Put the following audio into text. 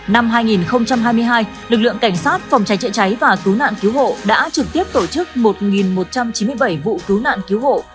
năm hai nghìn hai mươi hai lực lượng cảnh sát phòng cháy chữa cháy và cứu nạn cứu hộ đã trực tiếp tổ chức một một trăm chín mươi bảy vụ cứu nạn cứu hộ